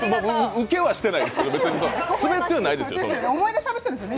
ウケはしてないですけど、スベってはないですよね。